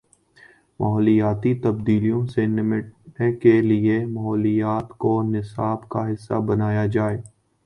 ماحولیاتی تبدیلیوں سے نمٹنے کے لیے ماحولیات کو نصاب کا حصہ بنایا جائے۔